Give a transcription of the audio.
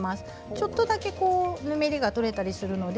ちょっとだけぬめりが取れたりするので。